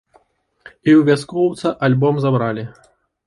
І ў вяскоўца альбом забралі.